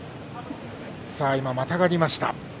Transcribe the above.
今、またがりました。